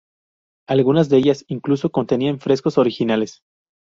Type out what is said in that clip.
Algunas de ellas incluso contenían frescos originales.